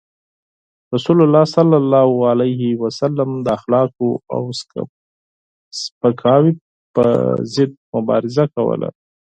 رسول الله صلى الله عليه وسلم د اخلاقو او سپکاوي پر ضد مبارزه کوله.